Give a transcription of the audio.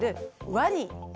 ワニ。